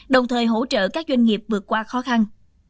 đồng thời hỗ trợ các doanh nghiệp vượt qua khó khăn